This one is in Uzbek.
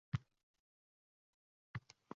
Gidroponika usulidagi issiqxona